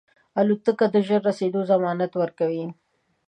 الوتکه د ژر رسېدو ضمانت ورکوي.